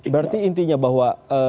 berarti intinya bahwa